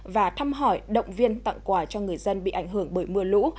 và thăm hỏi động viên tặng quà cho người dân bị ảnh hưởng bởi mưa lũ